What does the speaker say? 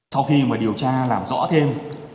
sau khi mà điều tra làm rõ thêm